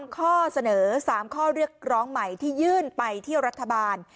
ข้อเสนอ๓ข้อเรียกร้องใหม่ที่ยื่นไปเที่ยวรัฐบาล